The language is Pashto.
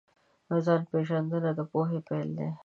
ځان پېژندنه د پوهې پیل دی.